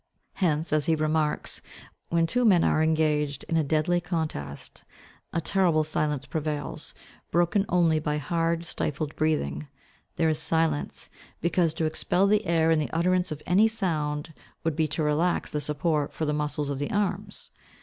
Hence, as he remarks, when two men are engaged in a deadly contest, a terrible silence prevails, broken only by hard stifled breathing. There is silence, because to expel the air in the utterance of any sound would be to relax the support for the muscles of the arms.